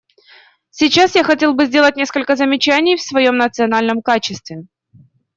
Сейчас я хотел бы сделать несколько замечаний в своем национальном качестве.